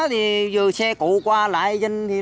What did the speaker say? thì giờ xe cổ qua lại dân thì đây